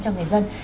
cho người dân